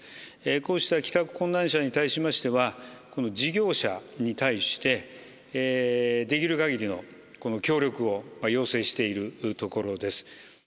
こうした帰宅困難者に対しましては、事業者に対してできる限りの協力を要請しているところです。